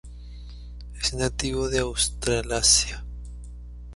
Es nativo de Australasia.